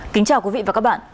kính chào quý vị và các bạn